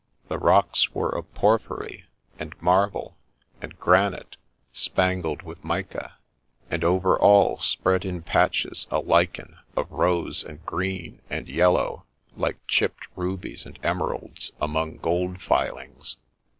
The rocks were of porphyry, and marble, and granite, spangled with mica ; and over all spread in patdies a lichen of rose, and green, and yellow, like chipped rubies and emeralds among gold filings.